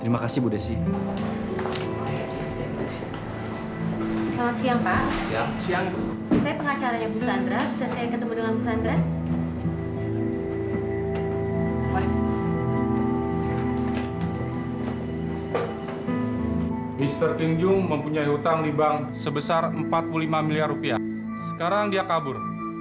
empat puluh lima miliar rupiah sekarang dia kabur